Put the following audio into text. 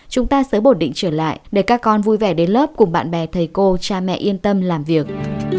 chúng ta sẽ ổn định trở lại để các con vui vẻ đến lớp cùng bạn bè thầy cô cha mẹ yên tâm làm việc